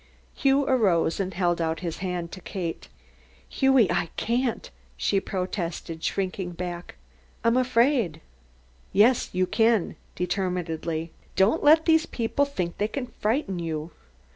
Hughie arose and held out his hands to Kate. "Hughie, I can't," she protested, shrinking back. "I'm afraid." "Yes, you can," determinedly. "Don't let these people think they can frighten you."